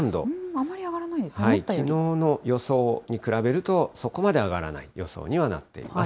あまり上がらないんですね、きのうの予想に比べると、そこまで上がらない予想にはなっています。